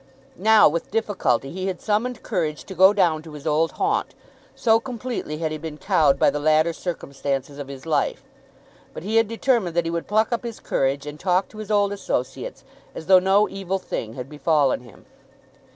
Now, with difficulty, he had summoned courage to go down to his old haunt, so completely had he been cowed by the latter circumstances of his life; but he had determined that he would pluck up his courage, and talk to his old associates as though no evil thing had befallen him.